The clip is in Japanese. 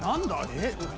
えっ？